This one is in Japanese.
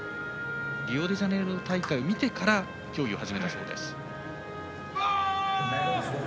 リオデジャネイロ大会を見てから競技を始めたそうです。